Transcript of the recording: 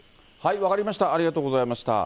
分かりました、ありがとうございました。